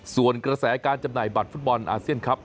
ส่วนกระแสการจำหน่ายบัตรฟุตบอลอาเซียนครับ